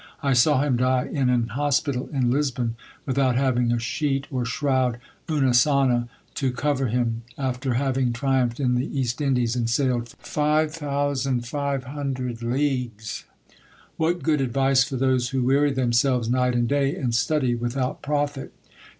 I saw him die in an hospital in Lisbon, without having a sheet or shroud, una sauana, to cover him, after having triumphed in the East Indies, and sailed 5500 leagues! What good advice for those who weary themselves night and day in study without profit!"